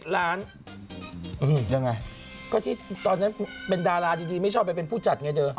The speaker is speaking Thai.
ยังไงก็ที่ตอนนั้นเป็นดาราดีไม่ชอบไปเป็นผู้จัดไงเธอ